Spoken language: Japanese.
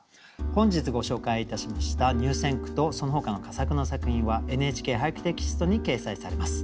本日ご紹介いたしました入選句とそのほかの佳作の作品は「ＮＨＫ俳句」テキストに掲載されます。